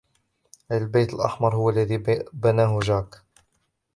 البيت الأحمر هو الذي بناه جاك.